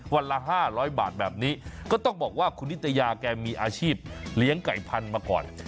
วันละ๕๐๐บาทแบบนี้ก็ต้องบอกว่าคุณนิตยาแกมีอาชีพเลี้ยงไก่พันธุ์มาก่อน